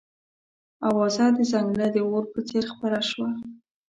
اوازه د ځنګله د اور په څېر خپره شوه.